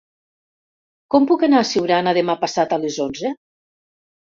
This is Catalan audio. Com puc anar a Siurana demà passat a les onze?